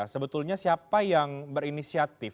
sebetulnya siapa yang berinisiatif